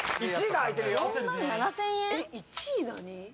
１位何？